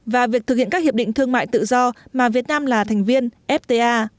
và việc thực hiện các hiệp định thương mại tự do mà việt nam là thành viên fta